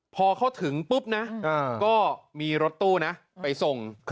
พอเขาถึงปุ๊บนะก็มีรถตู้นะไปส่ง